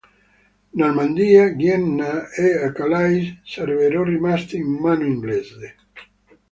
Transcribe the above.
Normandia, Guienna e e Calais sarebbero rimaste in mano inglese.